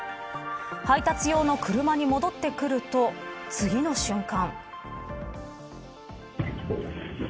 配達用の車に戻ってくると次の瞬間。